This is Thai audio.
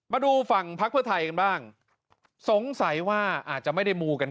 มาดูฝั่งพักเพื่อไทยกันบ้างสงสัยว่าอาจจะไม่ได้มูกัน